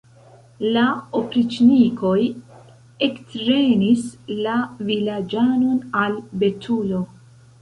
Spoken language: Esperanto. La opriĉnikoj ektrenis la vilaĝanon al betulo.